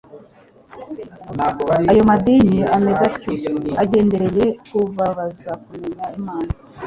Ayo madini ameze atyo, agendereye kubabuza kumenya Imana